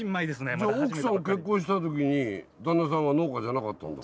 じゃあ奥さんが結婚した時に旦那さんは農家じゃなかったんだ。